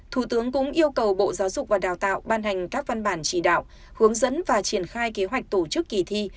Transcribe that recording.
thủ tướng cũng yêu cầu bộ giáo dục và đào tạo ban hành các văn bản chỉ đạo hướng dẫn và triển khai kế hoạch tổ chức kỳ thi